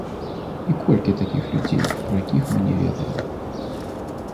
І колькі такіх людзей, пра якіх мы не ведаем?